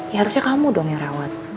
ya harusnya kamu dong yang rawat